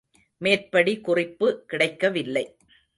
மேற்படி குறிப்பு கிடைக்கவில்லை.